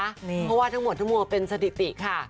เพราะว่าทั้งหมดทั้งมัวเป็นสถิติค่ะ